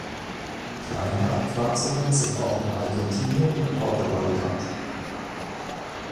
Kleine Anpflanzungen sind auch in Argentinien und Portugal bekannt.